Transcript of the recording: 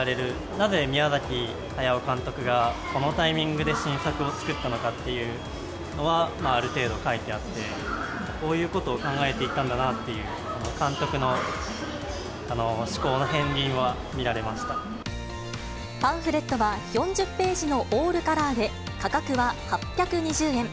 なぜ、宮崎駿監督がこのタイミングで新作を作ったのかっていうのは、ある程度書いてあって、こういうことを考えていたんだなっていう、監督の思考の片りんはパンフレットは４０ページのオールカラーで、価格は８２０円。